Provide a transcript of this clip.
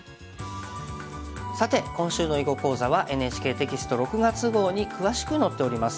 さて今週の囲碁講座はＮＨＫテキスト６月号に詳しく載っております。